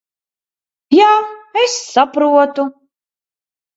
Jā, es saprotu.